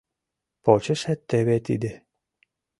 Почешет теве тиде...